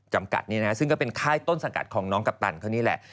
จำกัดนี้นะซึ่งก็เป็นค่ายต้นสังกัดของน้องกัปตันเขานี่แหละ